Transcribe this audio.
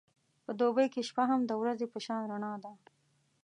په دوبی کې شپه هم د ورځې په شان رڼا ده.